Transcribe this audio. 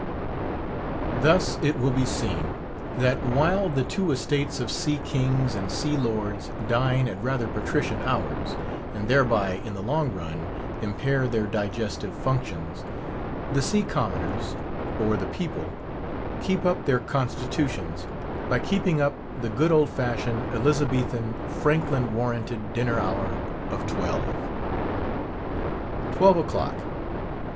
Thus it will be seen, that while the two estates of sea kings and sea lords dine at rather patrician hours—and thereby, in the long run, impair their digestive functions—the sea commoners, or the people, keep up their constitutions, by keeping up the good old fashioned, Elizabethan, Franklin warranted dinner hour of twelve. Twelve o'clock!